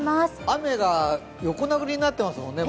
雨が横殴りになってますもんね。